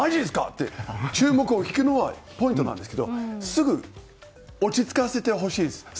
って注目を引けるのはポイントなんですけどすぐ落ち着かせてほしいです。